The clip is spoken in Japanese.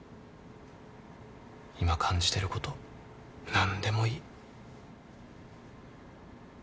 今感じてること何でもいい。